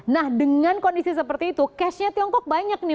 nah dengan kondisi seperti itu cashnya tiongkok banyak nih